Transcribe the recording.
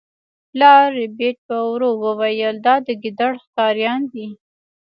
پلار ربیټ په ورو وویل چې دا د ګیدړ ښکاریان دي